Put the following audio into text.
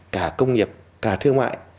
cả công nghiệp cả thương mại